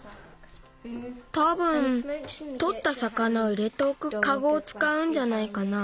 たぶんとったさかなを入れておくカゴをつかうんじゃないかな。